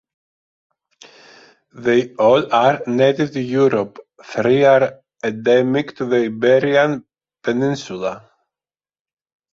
They are all native to Europe; three are endemic to the Iberian Peninsula.